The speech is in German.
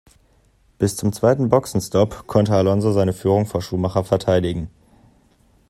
Bis zum zweiten Boxenstopp konnte Alonso seine Führung vor Schumacher verteidigen.